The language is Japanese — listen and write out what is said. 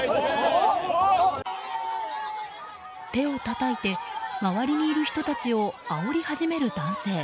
手をたたいて周りにいる人たちをあおり始める男性。